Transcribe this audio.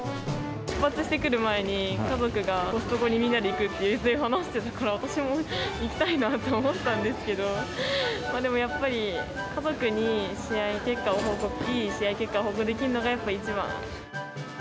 出発してくる前に、家族がコストコにみんなで行くって話してたから、私も行きたいなと思ったんですけど、でもやっぱり、家族に試合結果を報告、いい試合結果を報告できるのがやっぱり一番。